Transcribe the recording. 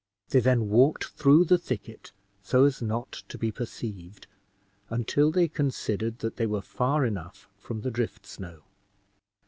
They then walked through the thicket so as not to be perceived, until they considered that they were far enough from the drift snow.